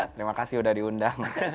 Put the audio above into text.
terima kasih udah diundang